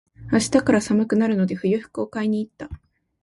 明日から寒くなるので、冬服を買いに行った。